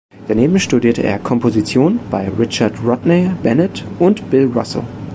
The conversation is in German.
Daneben studierte er Komposition bei Richard Rodney Bennett und Bill Russo.